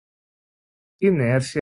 inércia